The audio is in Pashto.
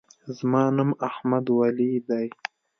زما نوم احمدولي دی.